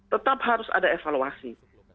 tetap harus ada evaluasi